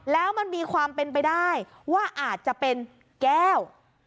แล้วมันมีความเป็นไปได้ว่าอาจจะเป็นแก้ว